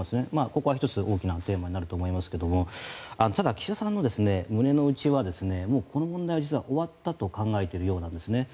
ここは１つ、大きなテーマになると思いますがただ、岸田さんの胸の内はもうこの問題は終わったと考えているようなんですね。